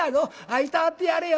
いたわってやれよ。